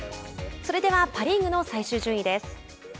それではパ・リーグの最終順位です。